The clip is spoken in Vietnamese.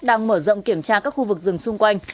đang mở rộng kiểm tra các khu vực rừng xung quanh